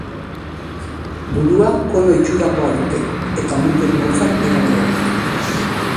Burua kono itxurakoa dute, eta mutur-motzak dira gehienak.